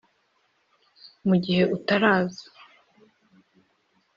mu gihe utaraza.